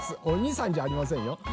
おにさんじゃありませんよ。